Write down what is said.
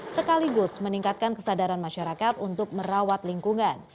sekaligus meningkatkan kesadaran masyarakat untuk merawat lingkungan